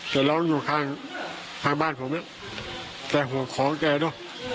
แกร้องอยู่ข้างข้างบ้านผมแต่หัวของแกเนอะ